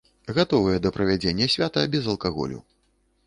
Гатовыя да правядзення свята без алкаголю.